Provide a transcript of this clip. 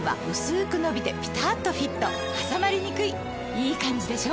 いいカンジでしょ？